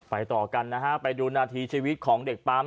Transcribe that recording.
ต่อกันนะฮะไปดูนาทีชีวิตของเด็กปั๊ม